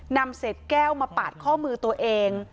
นำเศษแก้วมาปาดข้อมือตัวเอง